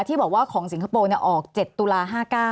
ที่บอกว่าของสิงคโปร์ออก๗ตุลา๕๙